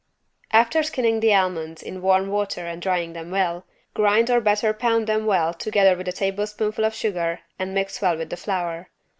After skinning the almonds in warm water and drying them well, grind or better pound them well together with a tablespoonful of sugar and mix well with the flour.